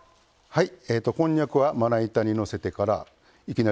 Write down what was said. はい。